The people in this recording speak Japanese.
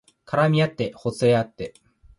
絡みあってほつれあって